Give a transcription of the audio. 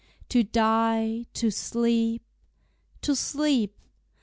To die, to sleep; To sleep!